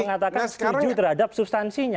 mengatakan setuju terhadap substansinya